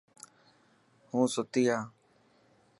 هون ستي هان.